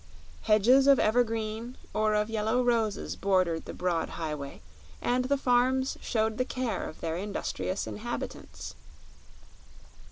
Hedges of evergreen or of yellow roses bordered the broad highway and the farms showed the care of their industrious inhabitants.